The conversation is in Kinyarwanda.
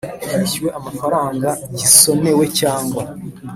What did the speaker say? Hishyuwe amafaranga gisonewe cyangwa